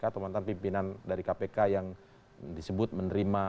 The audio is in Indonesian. atau mantan pimpinan dari kpk yang disebut menerima